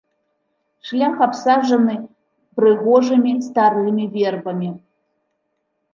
Шлях абсаджаны прыгожымі старымі вербамі.